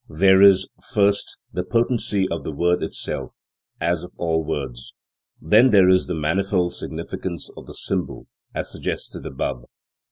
There is, first, the potency of the word itself, as of all words. Then there is the manifold significance of the symbol, as suggested above.